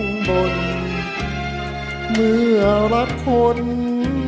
เมื่อรับคนปล่อยใจเถิดน้องไม่มองบ่น